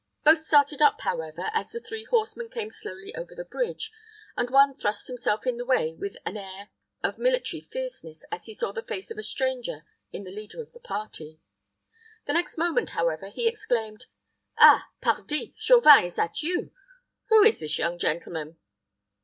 Both started up, however, as the three horsemen came slowly over the bridge, and one thrust himself in the way with an air of military fierceness as he saw the face of a stranger in the leader of the party. The next moment, however, he exclaimed, "Ah! pardie: Chauvin is that you? Who is this young gentleman?"